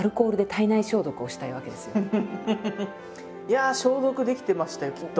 いやあ消毒できてましたよきっと。